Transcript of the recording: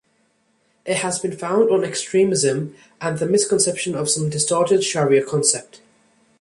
It has been founded on extremism, and the misconception of some distorted Sharia concept.